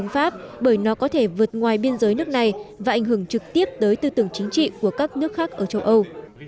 pháp bởi nó có thể vượt ngoài biên giới nước này và ảnh hưởng trực tiếp tới tư tưởng chính trị của các nước khác ở châu âu